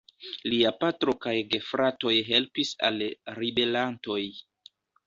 Lia patro kaj gefratoj helpis al ribelantoj.